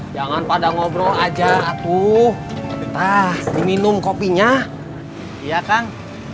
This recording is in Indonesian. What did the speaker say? jangan pada ngobrol aja aku ah minum kopinya iya kang